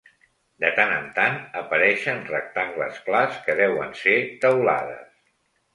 De tant en tant apareixen rectangles clars que deuen ser teulades.